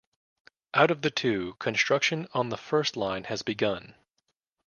Out of the two, construction on the first line has begun.